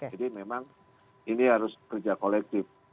jadi memang ini harus kerja kolektif